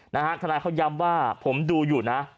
นะฮะธนายเขาย่ำว่าผมดูอยู่นะ